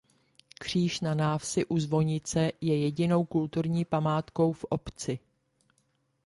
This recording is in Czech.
Kříž na návsi u zvonice je jedinou kulturní památkou v obci.